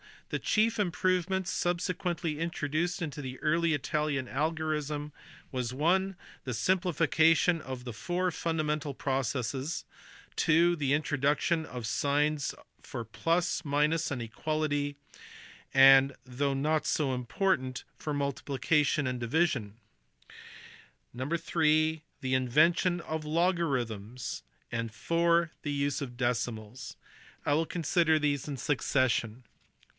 The chief improvements subsequently intro duced into the early Italian algorism were (i) the simplification of the four fundamental processes : (ii) the introduction of signs for plus, minus, and equality; and (though not so im portant) for multiplication and division : (iii) the invention of logarithms : and (iv) the use of decimals. I will consider these in succession.